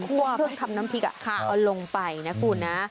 พวกเครื่องทำน้ำพริกเอาลงไปนะคุณนะ